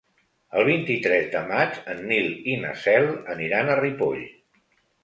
El vint-i-tres de maig en Nil i na Cel aniran a Ripoll.